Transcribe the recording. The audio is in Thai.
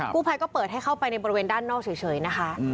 ผู้ภัยก็เปิดให้เข้าไปในบริเวณด้านนอกเฉยนะคะ